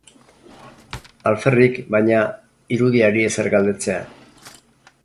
Alferrik, baina, irudiari ezer galdetzea.